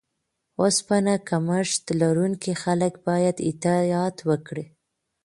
اوسپنه کمښت لرونکي خلک باید احتیاط وکړي.